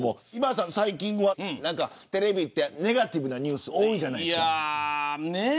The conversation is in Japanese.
最近はテレビってネガティブなニュース多いじゃないですか。